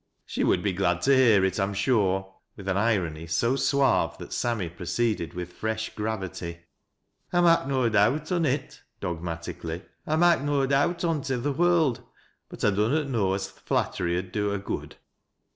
" She would be glad to hear it, I am sure," with ai irony so suave that Sammy proceeded with fresh gravity. " I mak' no doubt on't," dogmatically. " I mak' nc djubt on't i' th' world, but I dunnot know as th' flatterj lid do her good.